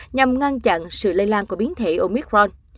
nhằm ngăn chặn sự lây lan của biến thể omicron